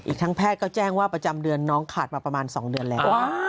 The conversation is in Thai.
ทั้งแพทย์ก็แจ้งว่าประจำเดือนน้องขาดมาประมาณ๒เดือนแล้ว